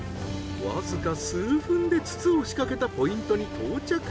わずか数分で筒を仕掛けたポイントに到着。